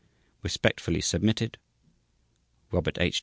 Respectfully submitted: /s/ ROBERT H.